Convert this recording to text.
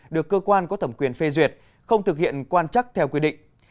được cơ quan có thẩm quyền phê duyệt không thực hiện quan chắc theo quy định